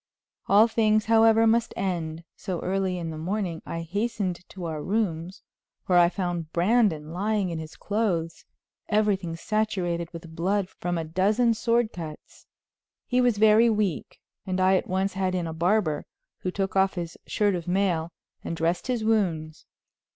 All things, however, must end, so early in the morning I hastened to our rooms, where I found Brandon lying in his clothes, everything saturated with blood from a dozen sword cuts. He was very weak, and I at once had in a barber, who took off his shirt of mail and dressed his wounds.